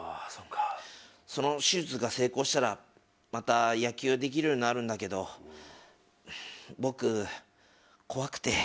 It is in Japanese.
その手術が成功したらまた野球ができるようになるんだけど僕、怖くて。